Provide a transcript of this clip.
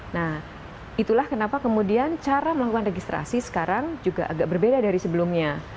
nah itulah kenapa kemudian cara melakukan registrasi sekarang juga agak berbeda dari sebelumnya